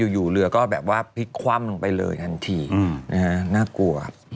อยู่เรือก็พลิกคว่ำลงไปเลยทันทีน่ากลัว